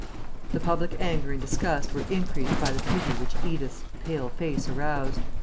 The public anger and disgust were increased by the pity which Edith's pale face aroused.